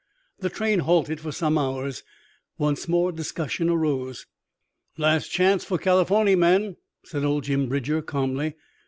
The train halted for some hours. Once more discussion rose. "Last chance for Californy, men," said old Jim Bridger calmly.